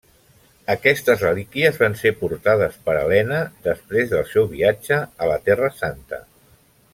Aquestes relíquies van ser portades per Helena després del seu viatge a la Terra Santa.